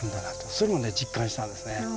そういうのね実感したんですね。